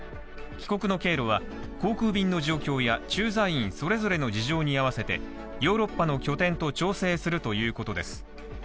帰国の経路は航空便の状況や駐在員それぞれの事情に合わせてヨーロッパの拠点と調整するということです。